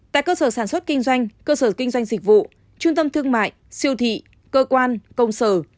tại cơ sở sản xuất kinh doanh cơ sở kinh doanh dịch vụ trung tâm thương mại siêu thị cơ quan công sở